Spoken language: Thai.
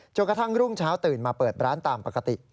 กระทั่งรุ่งเช้าตื่นมาเปิดร้านตามปกติ